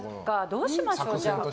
どうしましょう、じゃあ。